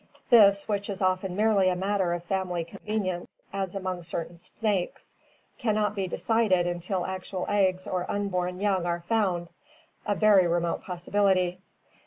This, which is often merely a matter of family conven ience as among certain snakes, can not be decided until actual eggs or unborn young are found, a very remote possibility.